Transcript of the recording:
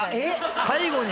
最後に。